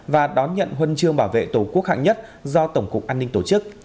và đón nhận huân chương bảo vệ tổ quốc hạng nhất do tổng cục